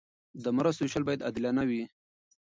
د مرستو ویشل باید عادلانه وي.